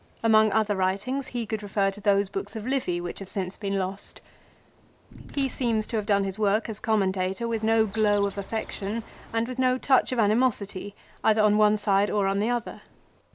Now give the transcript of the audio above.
Among other writings he could refer to those books of Livy which have since been lost. He seems to have done his work as commentator with no glow of affection and with no touch of animosity, either on one side or on the other.